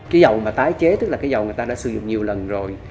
cái dầu mà tái chế tức là cái dầu người ta đã sử dụng nhiều lần rồi